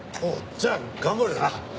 じゃあ頑張れよな。